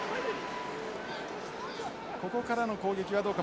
ここからの攻撃はどうか？